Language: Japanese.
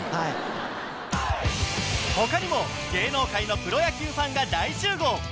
他にも芸能界のプロ野球ファンが大集合